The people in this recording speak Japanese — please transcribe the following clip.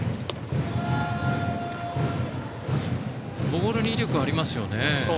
ボールに威力がありますね。